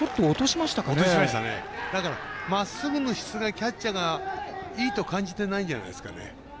まっすぐの質がキャッチャーがいいと感じてないんじゃないですかね。